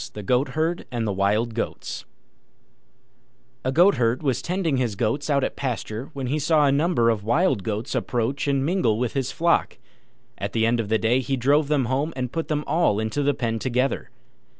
THE GOATHERD AND THE WILD GOATS A Goatherd was tending his goats out at pasture when he saw a number of Wild Goats approach and mingle with his flock. At the end of the day he drove them home and put them all into the pen together.